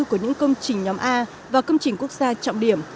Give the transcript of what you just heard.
của những công trình nhóm a và công trình quốc gia trọng điểm